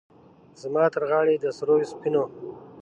زما ترغاړې د سرو، سپینو،